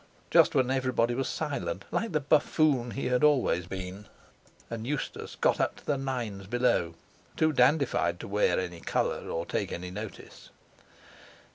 Just when everybody was silent, like the buffoon he had always been; and Eustace got up to the nines below, too dandified to wear any colour or take any notice.